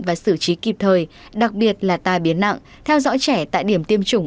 và xử trí kịp thời đặc biệt là tai biến nặng theo dõi trẻ tại điểm tiêm chủng